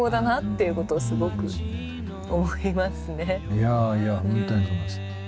いやいや本当にそう思います。